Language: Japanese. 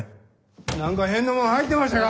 何か変なもん入ってましたか？